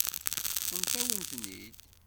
Ṭṭfent-awen-ten-id.